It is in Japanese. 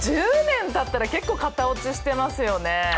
１０年たったら結構型落ちしてますよね。